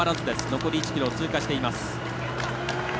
残り１ｋｍを通過しています。